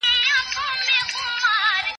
دنیا فاني ده بیا به وکړی ارمانونه